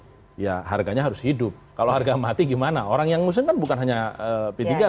mati ya harganya harus hidup kalau harga mati gimana orang yang musim kan bukan hanya pilihan